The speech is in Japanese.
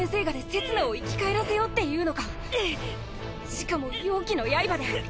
しかも妖気の刃で！？